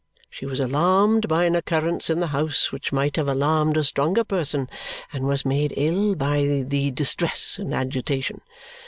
She was alarmed by an occurrence in the house which might have alarmed a stronger person, and was made ill by the distress and agitation.